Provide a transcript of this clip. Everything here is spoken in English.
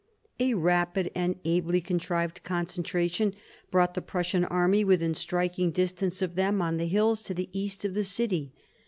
A rapid and ably contrived concentration brought the Prussian army within striking distance of them on the hills to the east of the city.